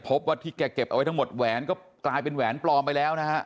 พบว่าที่แกเก็บเอาไว้ทั้งหมดแหวนก็กลายเป็นแหวนปลอมไปแล้วนะฮะ